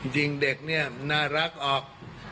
ยิงเด็กเนี่ยน่ารักออก